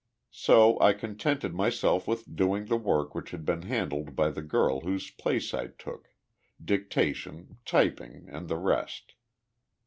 So I contented myself with doing the work which had been handled by the girl whose place I took dictation, typing, and the rest.